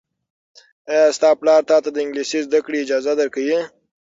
ایا ستا پلار تاته د انګلیسي زده کړې اجازه درکوي؟